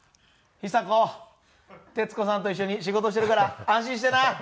ヒサコ徹子さんと一緒に仕事してるから安心してな。